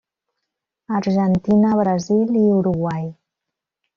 Argentina, Brasil i Uruguai.